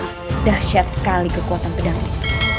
sudah syet sekali kekuatan pedang itu